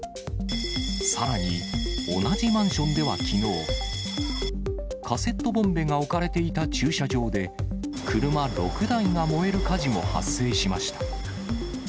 さらに同じマンションではきのう、カセットボンベが置かれていた駐車場で、車６台が燃える火事も発生しました。